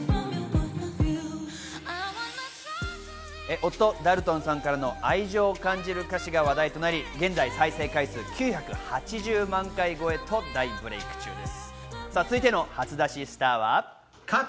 夫・ダルトンさんからの愛情を感じる歌詞が話題となり現在再生回数９８０万回超えと大ブレーク中です。